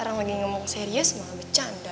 orang lagi ngomong serius malah bercanda